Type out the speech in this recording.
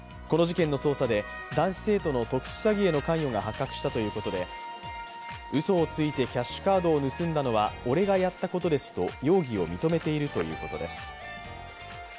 この事件の捜査で、男子生徒の特殊詐欺への関与が発覚したということでうそをついてキャッシュカードを盗んだのは俺がやったことですと容疑を認めているということです。